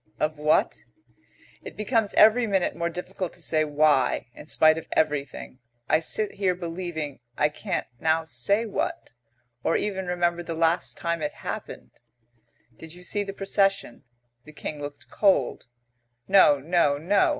Of what? It becomes every minute more difficult to say why, in spite of everything, I sit here believing I can't now say what, or even remember the last time it happened. "Did you see the procession?" "The King looked cold." "No, no, no.